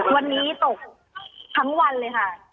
วันนี้ตกทั้งวันเลยค่ะ